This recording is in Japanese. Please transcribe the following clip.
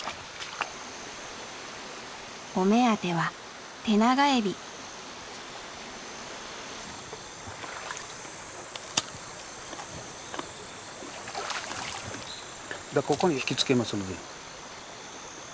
お目当てはここに引き付けますんで。